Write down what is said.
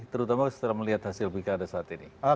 terutama setelah melihat hasil pilkada saat ini